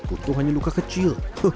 untung hanya luka kecil